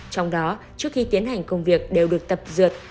trong đó trước khi tiến hành công việc đều được tập dượt